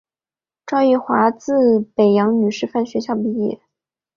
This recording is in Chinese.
赵懋华自北洋女师范学校毕业。